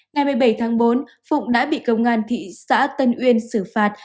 ngày một mươi bảy tháng bốn phụng đã bị công an thị xã tân uyên xử phạt